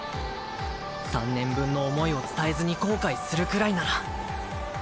３年分の思いを伝えずに後悔するくらいなら。